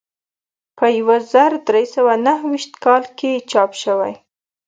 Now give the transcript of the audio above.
په یو زر درې سوه نهه ویشت کال کې چاپ شوی.